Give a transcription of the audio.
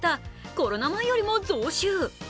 コロナ前よりも増収。